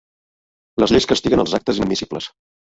Les lleis castiguen els actes inadmissibles.